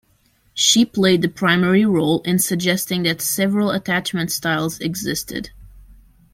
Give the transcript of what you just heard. She played the primary role in suggesting that several attachment styles existed.